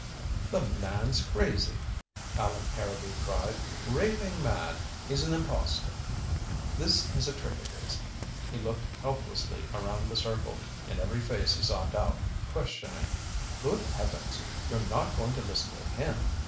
"The man's crazy," Allan Harrowby cried. "Raving mad. He's an impostor this is a trick of his " He looked helplessly around the circle. In every face he saw doubt, questioning. "Good heavens you're not going to listen to him?